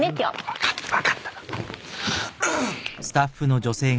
分かった分かった。